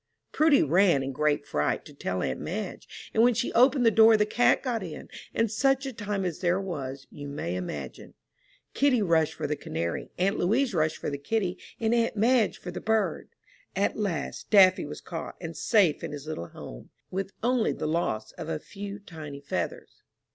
Prudy ran, in great fright, to tell aunt Madge, and when she opened the door, the cat got in; and such a time as there was, you may imagine. Kitty rushed for the canary, aunt Louise rushed for the kitty, and aunt Madge for the bird. At last, Daffy was caught, and safe in his little home, with only the loss of a few tiny feathers.